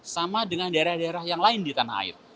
sama dengan daerah daerah yang lain di tanah air